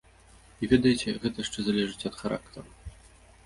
І ведаеце, гэта яшчэ залежыць ад характару.